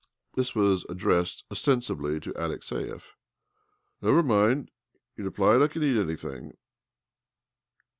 This was ac dressed ostensibly to Alexiev. " Never mind," he replied. " I can e; anything."